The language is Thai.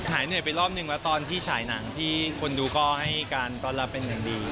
หายเหนื่อยไปรอบนึงแล้วตอนที่ฉายหนังที่คนดูก็ให้การต้อนรับเป็นอย่างดี